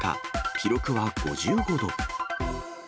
記録は５５度。